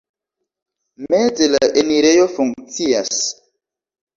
Meze la enirejo funkcias.